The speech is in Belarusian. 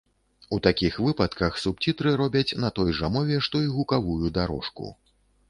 У такіх выпадках субцітры робяць на той жа мове, што і гукавую дарожку.